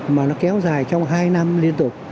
mà nó kéo dài trong hai năm liên tục